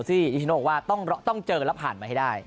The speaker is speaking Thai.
ที่คือต้องเคยเห็นแต่ต้องเจอและผ่านมาให้ได้